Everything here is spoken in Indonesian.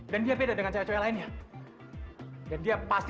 dan dia pasti